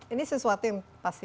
ini sesuatu yang pasti